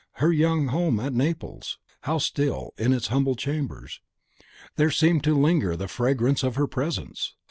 Her young home at Naples! how still, in its humble chambers, there seemed to linger the fragrance of her presence!